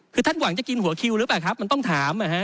คือท่านหวังจะกินหัวคิวหรือเปล่าครับมันต้องถาม